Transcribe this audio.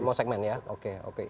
semua segmen ya oke